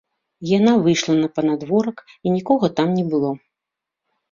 Яна выйшла на панадворак, і нікога там не было.